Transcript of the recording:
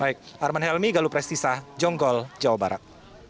baik arman helmi galup restisah jonggol jawa barat